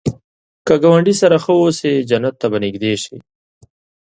که ګاونډي سره ښه اوسې، جنت ته به نږدې شې